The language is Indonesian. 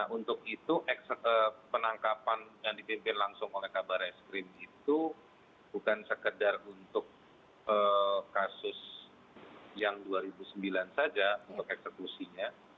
untuk itu penangkapan yang dipimpin langsung oleh kabar eskrim itu bukan sekedar untuk kasus yang dua ribu sembilan saja untuk eksekusinya